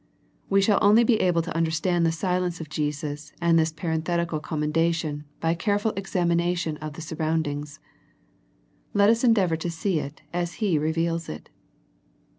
We shall only be able to understand the silence of Jesus and this parenthetical commendation by a careful examination of the surroundings. Let us endeavour to see it as He reveals it.